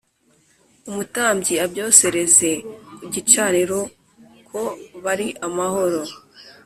Umutambyi abyosereze ku gicaniro ko bari amahoro